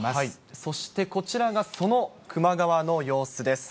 そして、こちらがその球磨川の様子です。